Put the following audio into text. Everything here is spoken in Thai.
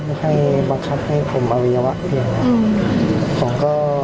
เขาให้บักครับให้ผมเอาเวียวะเพียง